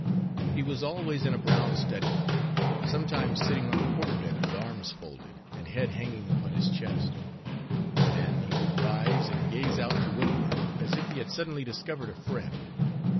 He was always in a brown study; sometimes sitting on the quarter deck with arms folded, and head hanging upon his chest. Then he would rise, and gaze out to windward, as if he had suddenly discovered a friend.